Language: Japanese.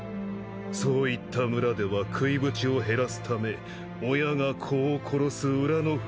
そういった村では食いぶちを減らすため親が子を殺す裏の風習が今でもある。